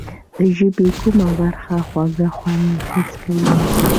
د ژبې کومه برخه خوږ خوند حس کوي؟